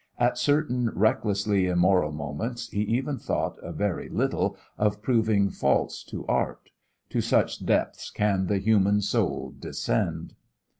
At certain recklessly immoral moments he even thought a very little of proving false to art. To such depths can the human soul descend!